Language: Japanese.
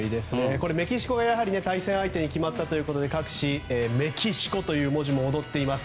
やはり、メキシコが対戦相手に決まったということで各紙、メキシコという文字も躍っています。